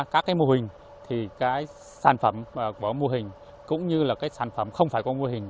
các cái mô hình thì cái sản phẩm của mô hình cũng như là cái sản phẩm không phải có mô hình